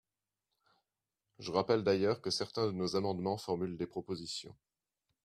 Je rappelle d’ailleurs que certains de nos amendements formulent des propositions.